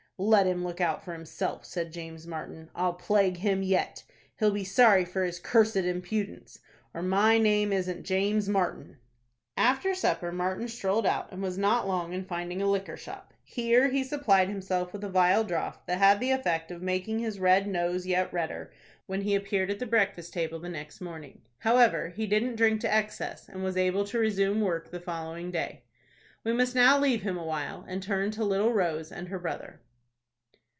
"Let him look out for himself!" said James Martin. "I'll plague him yet. He'll be sorry for his cursed impudence, or my name isn't James Martin." After supper Martin strolled out, and was not long in finding a liquor shop. Here he supplied himself with a vile draught, that had the effect of making his red nose yet redder when he appeared at the breakfast table the next morning. However, he didn't drink to excess, and was able to resume work the following day. We must now leave him, awhile, and turn to little Rose and her brother.